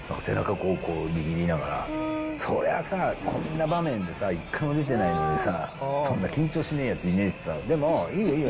こう握りながら、そりゃさ、こんな場面でさ、１回も出てないのに、そんな緊張しねー奴いねーしさ、でもいいよ、いいよ。